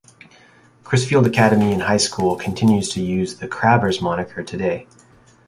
Crisfield Academy and High School continues to use the "Crabbers" moniker today.